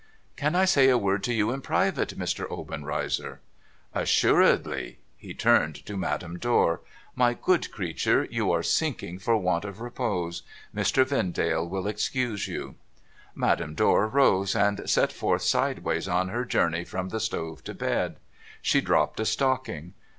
' Can I say a word to you in private, Mr. Obenreizer ?'' Assuredly.' He turned to Madame Dor. ' My good creature, you are sinking for want of repose. Mr. Vendale ^Yill excuse you.' Madame Dor rose, and set forth sideways on her journey from the stove to bed. She dropped a stocking.